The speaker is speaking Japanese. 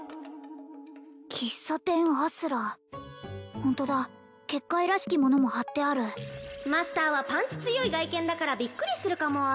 喫茶店あすらホントだ結界らしきものも貼ってあるマスターはパンチ強い外見だからびっくりするかも